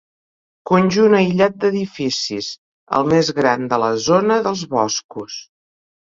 Conjunt aïllat d'edificis, el més gran de la zona dels Boscos.